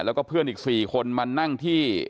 และเพื่อนมันนั่งที่